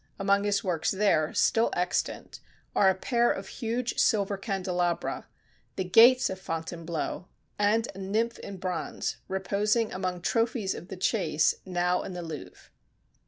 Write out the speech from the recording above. Among his works there, still extant, are a pair of huge silver candelabra, the gates of Fontainebleau, and a nymph in bronze, reposing among trophies of the chase, now in the Louvre.